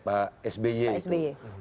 pak sby itu